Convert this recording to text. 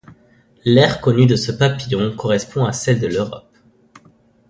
L'aire connue de ce papillon correspond à celle de l'Europe.